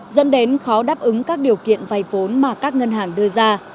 dẫn đến khó đáp ứng các điều kiện vay vốn mà các ngân hàng đưa ra